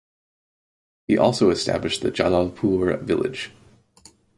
He also established the Jalalpur village.